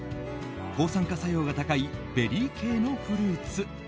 抗酸化作用が高いベリー系のフルーツ。